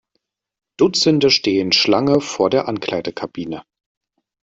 Dutzende stehen Schlange vor der Ankleidekabine.